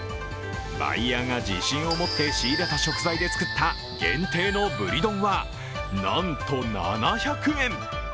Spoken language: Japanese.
バイヤーが自信を持って仕入れた食材で作った限定のブリ丼はなんと７００円。